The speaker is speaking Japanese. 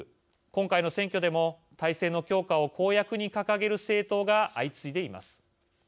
今回の選挙でも体制の強化を公約に掲げる政党が相次いでいます。